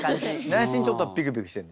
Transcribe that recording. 内心ちょっとビクビクしてんのね。